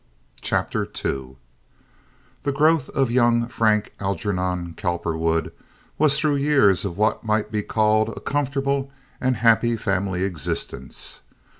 Chapter II The growth of young Frank Algernon Cowperwood was through years of what might be called a comfortable and happy family existence.